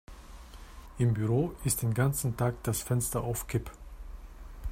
Im Büro ist den ganzen Tag das Fenster auf Kipp.